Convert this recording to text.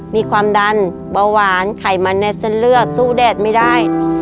มีความดันเบาหวานไขมันในเส้นเลือดสู้แดดไม่ได้